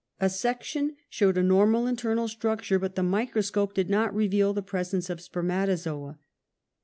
A section showed a normal in ternal structure, but the microscope did not reveal the presence of spemiatozoa.